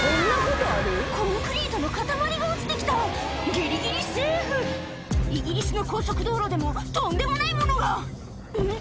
コンクリートの塊が落ちてきたギリギリセーフイギリスの高速道路でもとんでもないものがうん？